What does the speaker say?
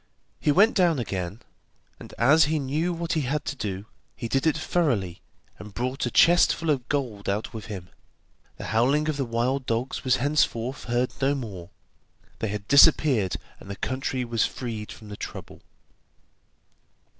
He went down again, and as he knew what he had to do, he did it thoroughly, and brought a chest full of gold out with him. The howling of the wild dogs was henceforth heard no more; they had disappeared, and the country was freed from the trouble.